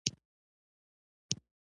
فرد به د هېرېدنې په کنده کې پاتې شي.